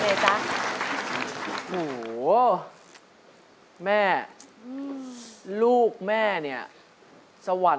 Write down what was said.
กลับมาฟังเพลง